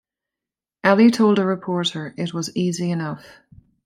Ely told a reporter: It was easy enough.